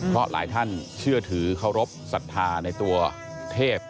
เพราะหลายท่านเชื่อถือเคารพสัทธาในตัวเทพ